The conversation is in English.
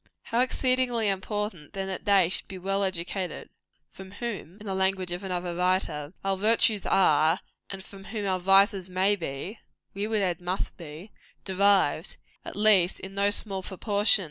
How exceedingly important, then, that they should be well educated, "from whom," in the language of another writer, "our virtues are, and from whom our vices may be" we would add must be "derived;" at least in no small proportion!